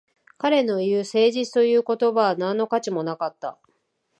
彼の言う誠実という言葉は何の価値もなかった